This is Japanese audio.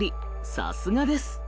さすがです。